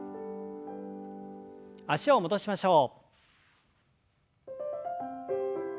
脚を戻しましょう。